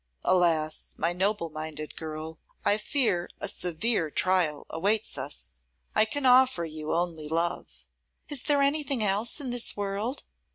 'Alas! my noble minded girl, I fear a severe trial awaits us. I can offer you only love.' 'Is there anything else in this world?